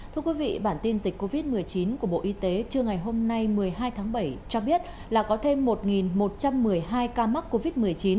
thưa quý vị bản tin dịch covid một mươi chín của bộ y tế trưa ngày hôm nay một mươi hai tháng bảy cho biết là có thêm một một trăm một mươi hai ca mắc covid một mươi chín